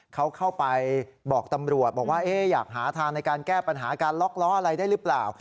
เขาเข้าไปบอกตำรวจบอกว่าอยากหาทางในการแก้ปัญหาการล็อกล้ออะไรได้หรือเปล่า